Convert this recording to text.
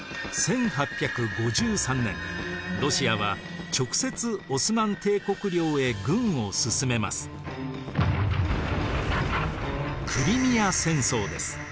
１８５３年ロシアは直接オスマン帝国領へ軍を進めます。